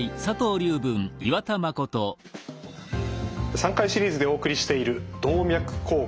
３回シリーズでお送りしている「動脈硬化」。